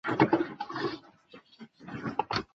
其名称来源于爱尔兰的同名地。